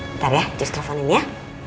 bentar ya jess teleponin ya